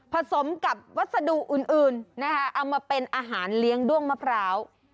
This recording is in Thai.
สมกับวัสดุอื่นนะคะเอามาเป็นอาหารเลี้ยงด้วงมะพร้าว